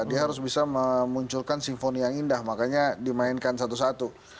dia harus bisa memunculkan simfoni yang indah makanya dimainkan satu satu